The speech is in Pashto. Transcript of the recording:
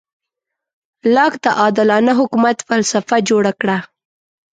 لاک د عادلانه حکومت فلسفه جوړه کړه.